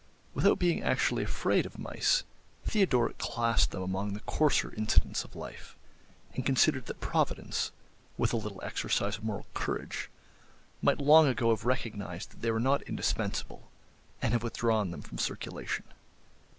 Without being actually afraid of mice, Theodoric classed them among the coarser incidents of life, and considered that Providence, with a little exercise of moral courage, might long ago have recognised that they were not indispensable, and have withdrawn them from circulation.